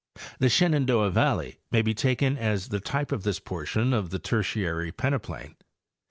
The Shenandoah valley may be taken as the type of this portion of the Tertiary peneplain.